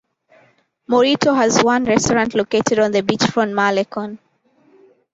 Morrito has one restaurant located on the beach front Malecon.